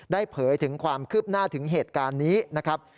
เผยถึงความคืบหน้าถึงเหตุการณ์นี้นะครับ